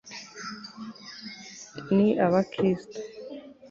ni abakristo